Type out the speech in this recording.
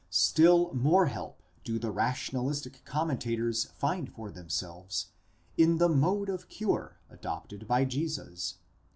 Still more help do the rationalistic commentators find for themselves in the mode of cure adopted by Jesus.